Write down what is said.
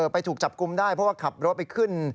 ถูกจับกลุ่มได้เพราะว่าขับรถไปขึ้น